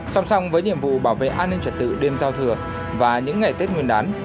song song với nhiệm vụ bảo vệ an ninh trật tự đêm giao thừa và những ngày tết nguyên đán